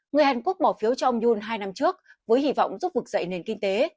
người hàn quốc bỏ phiếu cho ông yun hai năm trước với hy vọng giúp vực dậy nền kinh tế